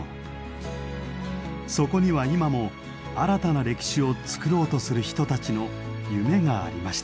そこには今も新たな歴史を作ろうとする人たちの夢がありました。